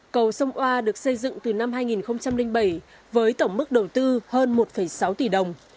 cầu sông oa được xây dựng từ năm hai nghìn bảy với tổng mức đầu tư hơn một sáu tỷ đồng